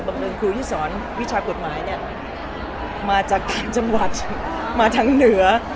หนึ่งครูที่สอนวิชากฎหมายเนี่ยมาจากต่างจังหวัดมาทางเหนือ